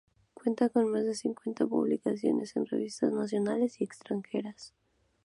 Cuenta con más de cincuenta publicaciones en revistas nacionales y extranjeras.